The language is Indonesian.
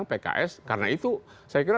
pks karena itu saya kira